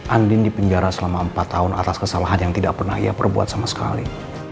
andin dipenjara selama empat tahun atas kesalahan yang tidak pernah ia perbuat sama sekali